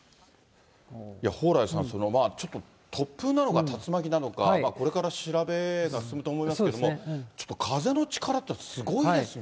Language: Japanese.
蓬莱さん、ちょっと突風なのか、竜巻なのか、これから調べが進むと思いますけれども、ちょっと風の力ってすごいですね。